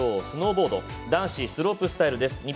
スノーボード男子スロープスタイルです。